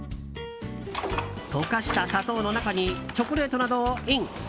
溶かした砂糖の中にチョコレートなどをイン。